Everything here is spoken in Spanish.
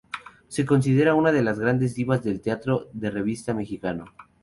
Considerada una de las grandes divas del teatro de revista mexicano.